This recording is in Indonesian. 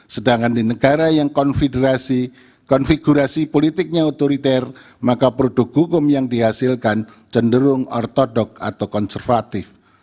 sedangkan di negara yang konfiderasi konfigurasi politiknya otoriter maka produk hukum yang dihasilkan cenderung ortodok atau konservatif